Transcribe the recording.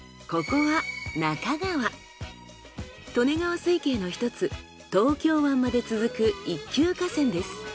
ここは利根川水系のひとつ東京湾まで続く一級河川です。